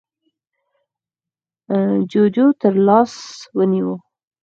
جُوجُو تر لاس ونيو: